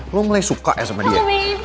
lo mulai suka ya sama dia